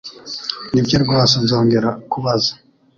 Nibyo, rwose nzongera kubaza.